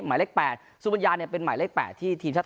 หมายเลข๘สุบัญญาเนี่ยเป็นหมายเลข๘ที่ทีมชาติ